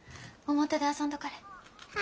表で遊んどかれえ。